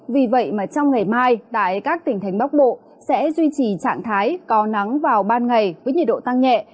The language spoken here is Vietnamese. vì vậy mà trong ngày mai tại các tỉnh thành bắc bộ sẽ duy trì trạng thái có nắng vào ban ngày với nhiệt độ tăng nhẹ